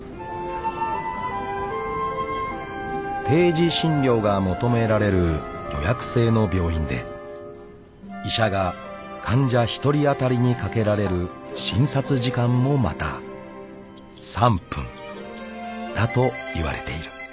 ［定時診療が求められる予約制の病院で医者が患者１人当たりにかけられる診察時間もまた３分だといわれている］